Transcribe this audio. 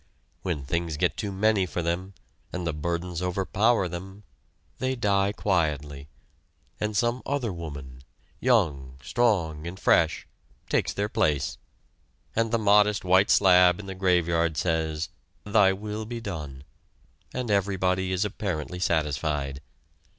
When things get too many for them, and the burdens overpower them, they die quietly, and some other woman, young, strong and fresh, takes their place, and the modest white slab in the graveyard says, "Thy will be done," and everybody is apparently satisfied.